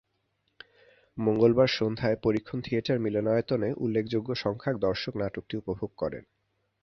মঙ্গলবার সন্ধ্যায় পরীক্ষণ থিয়েটার মিলনায়তনে উল্লেখযোগ্যসংখ্যক দর্শক নাটকটি উপভোগ করেন।